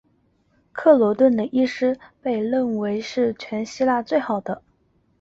克罗顿的医师被认为是全希腊最好的。